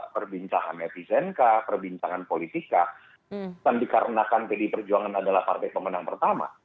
perbincangan netizenka perbincangan politika bukan dikarenakan pdi perjuangan adalah partai pemenang pertama